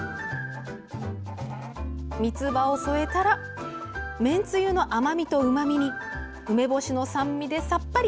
みつばを添えたらめんつゆの甘みとうまみに梅干しの酸味でさっぱり！